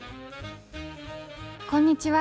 こんにちは。